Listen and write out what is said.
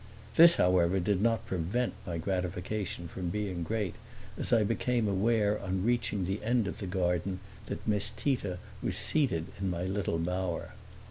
This however did not prevent my gratification from being great as I became aware on reaching the end of the garden that Miss Tita was seated in my little bower.